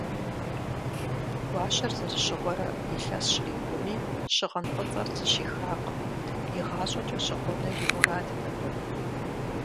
Гуащэр зэрыщыгъуэрэ илъэс щрикъуми, щыгъын фӏыцӏэр зыщихакъым: игъащӏэкӏэ щыгъуэну и мурадт абы.